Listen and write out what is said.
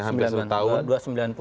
hampir satu tahun